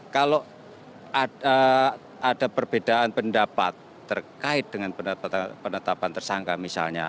kalau ada perbedaan pendapat terkait dengan penetapan tersangka misalnya